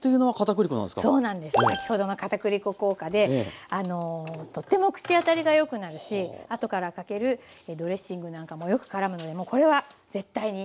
先ほどの片栗粉効果でとても口当たりがよくなるし後からかけるドレッシングなんかもよくからむのでもうこれは絶対にして頂けたらと思います。